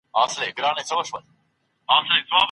په لاس لیکلنه د ژبني مهارتونو د پرمختګ بنسټ دی.